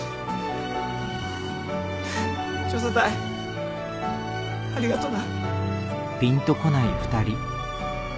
調査隊ありがとな。